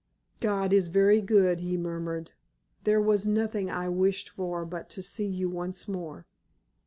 "God is very good," he murmured. "There was nothing I wished for but to see you once more."